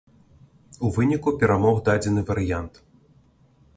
У выніку перамог дадзены варыянт.